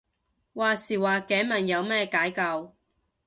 話時話頸紋有咩解救